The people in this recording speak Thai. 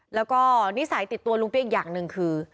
แล้วก็นิสัยติดตัวลุงเปี๊ยกอีกอย่างหนึ่งคือ